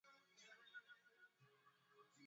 Viazi lishe hupendwa na watu wote